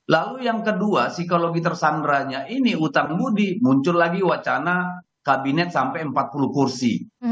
lalu yang kedua psikologi tersandranya ini utang mudi muncul lagi wacana kabinet sampai empat puluh kursi